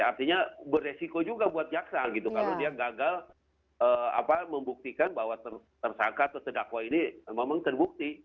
artinya beresiko juga buat jaksa gitu kalau dia gagal membuktikan bahwa tersangka atau sedakwa ini memang terbukti